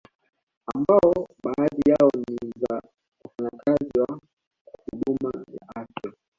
Ambao baadhi yao ni za wafanyakazi wa huduma ya afya